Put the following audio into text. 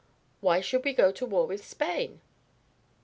"Why should we go to war with Spain?"